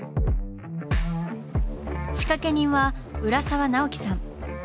仕掛け人は浦沢直樹さん。